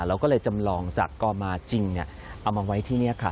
เราก็เลยจำลองจากกมจริงเอามาไว้ที่นี่ค่ะ